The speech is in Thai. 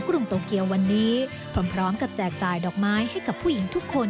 กรุงโตเกียววันนี้ทรงพร้อมและแพน